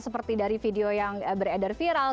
seperti dari video yang beredar viral